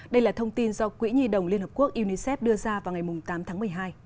đây là thông tin do quỹ nhi đồng liên hợp quốc unicef đưa ra vào ngày tám tháng một mươi hai